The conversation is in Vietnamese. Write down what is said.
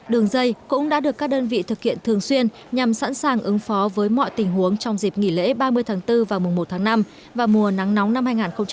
đường dây cũng đã được các đơn vị thực hiện thường xuyên nhằm sẵn sàng ứng phó với mọi tình huống trong dịp nghỉ lễ ba mươi tháng bốn và mùa một tháng năm và mùa nắng nóng năm hai nghìn hai mươi bốn